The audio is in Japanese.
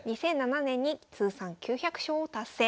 ２００７年に通算９００勝を達成。